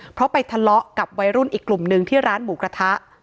เพราะไปทะเลาะกับวัยรุ่นอีกกลุ่มหนึ่งที่ร้านหมูกระทะ